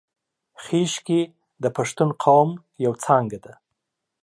خیشکي د پښتون قوم یو څانګه ده